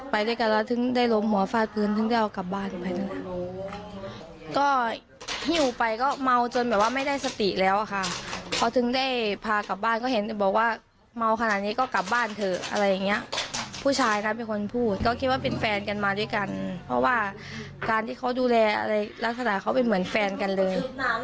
เพราะว่าการที่เขาดูแลอะไรลักษณะเขาเป็นเหมือนแฟนกันเลย